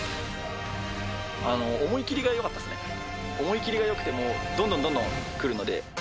思い切りがよくてもうどんどんどんどん来るので。